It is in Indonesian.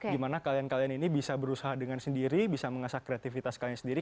gimana kalian kalian ini bisa berusaha dengan sendiri bisa mengasah kreativitas kalian sendiri